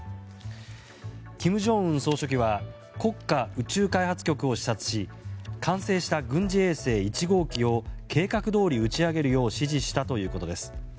金正恩総書記は国家宇宙開発局を視察し完成した軍事衛星１号機を計画どおり打ち上げるよう指示したということです。